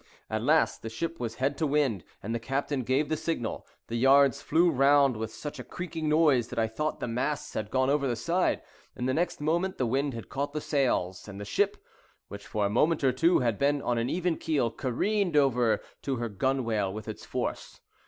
At last the ship was head to wind, and the captain gave the signal. The yards flew round with such a creaking noise, that I thought the masts had gone over the side, and the next moment the wind had caught the sails; and the ship, which for a moment or two had been on an even keel, careened over to her gunwale with its force.